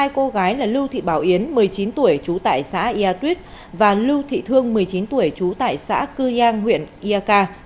hai cô gái là lưu thị bảo yến một mươi chín tuổi trú tại xã yà tuyết và lưu thị thương một mươi chín tuổi trú tại xã cư giang huyện iaka